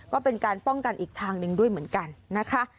ก็เป็นการป้องกันอีกทางหนึ่งด้วยเหมือนกันนะคะ